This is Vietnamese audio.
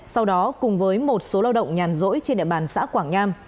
sau đó cùng với một số lao động nhàn rỗi trên địa bàn xã quảng nham